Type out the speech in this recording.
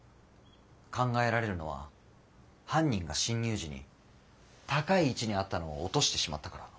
考えられるのは犯人が侵入時に高い位置にあったのを落としてしまったから？